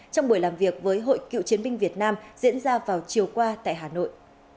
trong buổi làm việc với hội cựu chiến binh việt nam diễn ra vào chiều qua tại hà nội